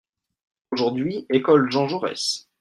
Aujourd'hui Ecole Jean Jaurès.